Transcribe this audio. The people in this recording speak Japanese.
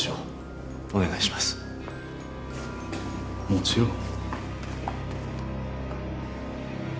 もちろん。